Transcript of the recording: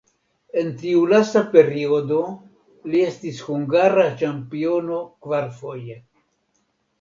En tiu lasta periodo li estis hungara ĉampiono kvarfoje.